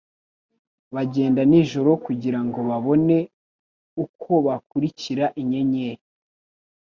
Bagenda nijoro kugira ngo babone uko bakurikira inyenyeri.